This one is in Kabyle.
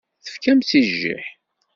Tefkam-tt i jjiḥ.